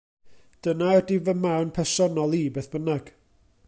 Dyna ydy fy marn personol i beth bynnag.